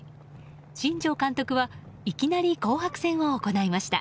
新庄監督はいきなり紅白戦を行いました。